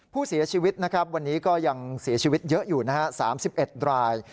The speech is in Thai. ผู้เสียชีวิตนะครับวันนี้ก็ยังเสียชีวิตเยอะอยู่นะฮะ๓๑ราย